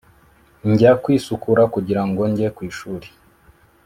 njya kwisukura kugira ngo nge kw ishuri